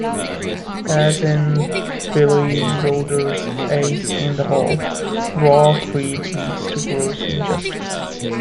As in Billy Wilder's "Ace in the Hole", raw greed leads to gross injustice.